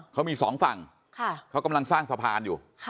เขามีสองฝั่งเขากำลังสร้างสะพานอยู่